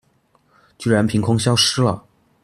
居然憑空消失了